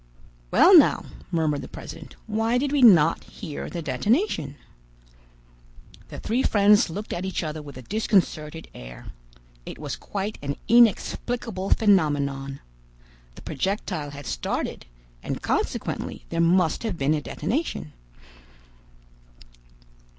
"Well now," murmured the president "why did we not hear the detonation?" The three friends looked at each other with a disconcerted air. It was quite an inexplicable phenomenon. The projectile had started, and consequently there must have been a detonation.